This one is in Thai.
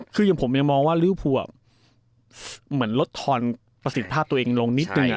คืออย่างผมยังมองว่าริวภูเหมือนลดทอนประสิทธิภาพตัวเองลงนิดนึง